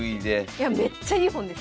いやめっちゃいい本です！